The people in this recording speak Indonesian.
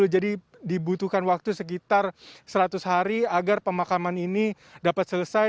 jadi dibutuhkan waktu sekitar seratus hari agar pemakaman ini dapat selesai